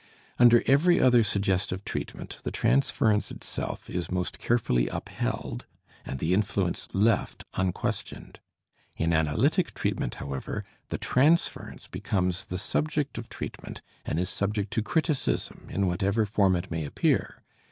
Under every other suggestive treatment the transference itself is most carefully upheld and the influence left unquestioned; in analytic treatment, however, the transference becomes the subject of treatment and is subject to criticism in whatever form it may appear.